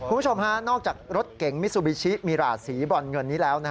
คุณผู้ชมฮะนอกจากรถเก๋งมิซูบิชิมิราชสีบรอนเงินนี้แล้ว